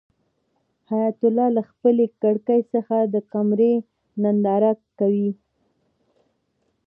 حیات الله له خپلې کړکۍ څخه د قمرۍ ننداره کوي.